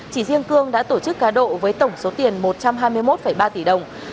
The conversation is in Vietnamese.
chỉ riêng cương đã tổ chức cá độ với tổng số tiền một trăm hai mươi một ba tỷ đồng